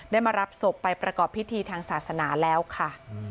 มารับศพไปประกอบพิธีทางศาสนาแล้วค่ะ